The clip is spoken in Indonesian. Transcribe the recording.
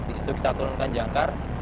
di situ kita turunkan jangkar